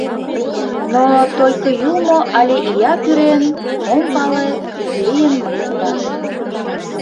Но только юмо але ия пӱрен, ом пале: лийын мыйын вате.